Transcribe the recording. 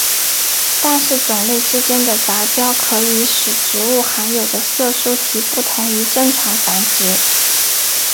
但是种类之间的杂交可以使植物含有的色素体不同于正常繁殖。